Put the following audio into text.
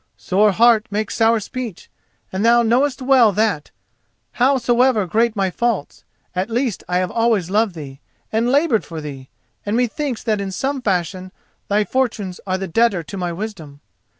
Sore heart makes sour speech, and thou knowest well that, howsoever great my faults, at least I have always loved thee and laboured for thee, and methinks that in some fashion thy fortunes are the debtor to my wisdom.